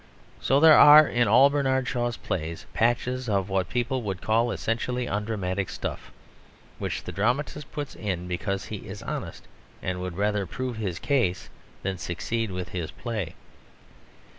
So there are in all Bernard Shaw's plays patches of what people would call essentially undramatic stuff, which the dramatist puts in because he is honest and would rather prove his case than succeed with his play.